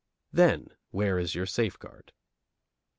Then where is your safeguard?